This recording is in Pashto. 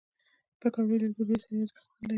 پکورې له ډوډۍ سره یو خوند لري